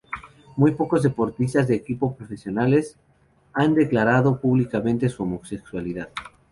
Muy pocos deportistas de equipos profesionales han declarado públicamente su homosexualidad.